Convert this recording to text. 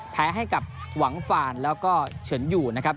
แพ้ให้กับหวังฟานแล้วก็เฉินอยู่นะครับ